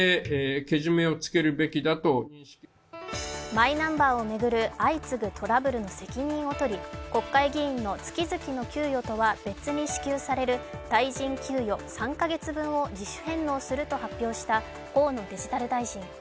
マイナンバーを巡る相次ぐトラブルの責任を取り国会議員の月々の給与とは別に支給される大臣給与３か月分を自主返納すると発表した河野デジタル大臣。